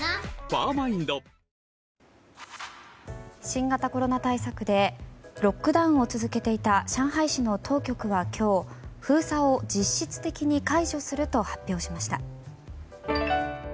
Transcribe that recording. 新型コロナ対策でロックダウンを続けていた上海市の当局は今日、封鎖を実質的に解除すると発表しました。